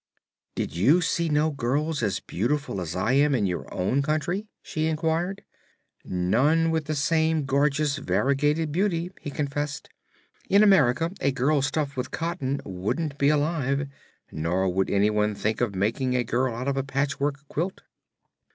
"Did you see no girls as beautiful as I am in your own country?" she inquired. "None with the same gorgeous, variegated beauty," he confessed. "In America a girl stuffed with cotton wouldn't be alive, nor would anyone think of making a girl out of a patchwork quilt."